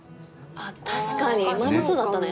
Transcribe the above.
あっ確かに前もそうだったね。